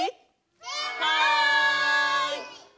はい！